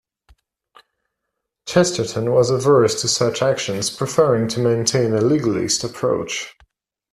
Chesterton was averse to such actions, preferring to maintain a legalist approach.